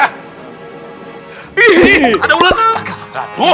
ih ada ular tuh